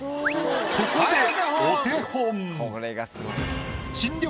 ここでお手本。